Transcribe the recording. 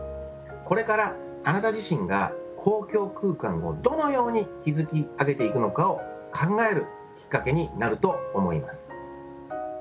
これからあなた自身が公共空間をどのように築き上げていくのかを考えるきっかけになると思います